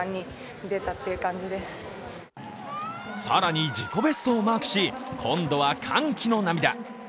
更に自己ベストをマークし今度は歓喜の涙。